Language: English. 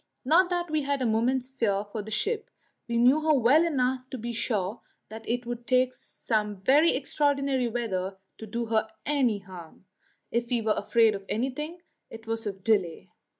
Not that we had a moment's fear for the ship; we knew her well enough to be sure that it would take some very extraordinary weather to do her any harm. If we were afraid of anything, it was of delay.